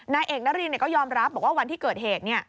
นายเอกนารินก็ยอมรับบอกว่าวันที่เกิดเหตุ